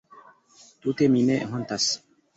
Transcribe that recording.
Tute mi ne hontas!